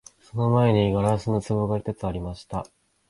その前に硝子の壺が一つありました